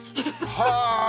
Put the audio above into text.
はあ！